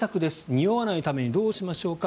におわないためにどうしましょうか。